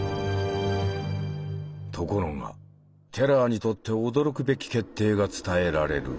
ところがテラーにとって驚くべき決定が伝えられる。